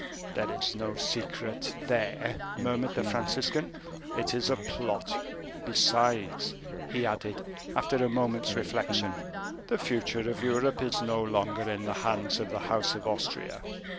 "There is no secret there," murmured the Franciscan, "it is a plot. Besides," he added, after a moment's reflection, "the future of Europe is no longer in the hands of the House of Austria."